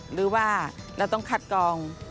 หรือว่าเราต้องคัดกอง